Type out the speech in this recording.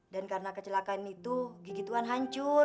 dan karena kecelakaan itu gigi tuan hancur